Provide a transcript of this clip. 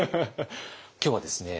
今日はですね